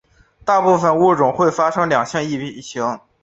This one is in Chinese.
大部份物种会发生两性异形。